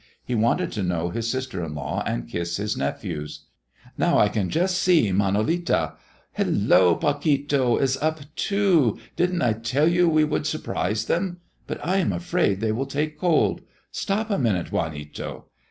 He wanted to know his sister in law and kiss his nephews. "Now I can just see Manolita. Hello! Paquito is up too. Didn't I tell you we should surprise them? But I am afraid they will take cold. Stop a minute, Juanito!"